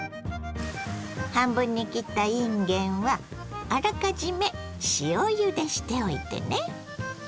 半分に切ったいんげんはあらかじめ塩ゆでしておいてね。